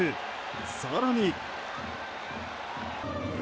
更に。